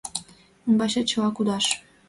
— Ӱмбачет чыла кудаш...